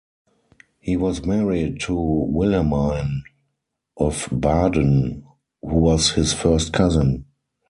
He was married to Wilhelmine of Baden who was his first cousin.